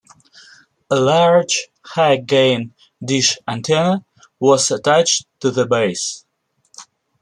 A large high-gain dish antenna was attached to the base.